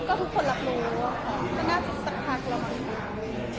ก็ทุกคนรับรู้ไม่น่าจะสักทักรอบอีกครั้ง